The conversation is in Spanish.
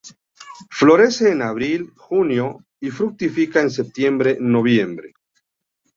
Florece en Abril-junio, y fructifica en Septiembre-noviembre.